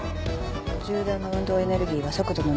銃弾の運動エネルギーは速度の二乗。